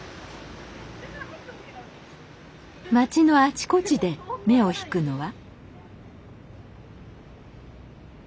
町のあちこちで目を引くのは。